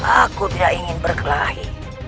aku tidak ingin berkelahi